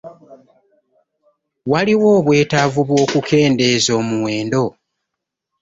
Waliwo obwetaavu bw'okukendeeza omuwendo?